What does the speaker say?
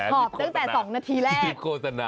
หอบตั้งแต่๒นาทีแรก